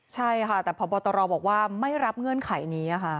ใช่ค่ะแต่พบตรบอกว่าไม่รับเงื่อนไขนี้ค่ะ